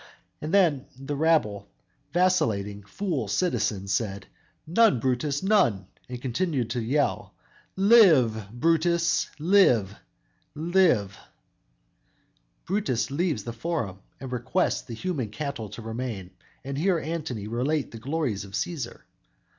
And then the rabble, vacillating, fool citizens said, "None, Brutus, none," and continue to yell, "Live, Brutus, live! live!" Brutus leaves the Forum and requests the human cattle to remain and hear Antony relate the glories of Cæsar!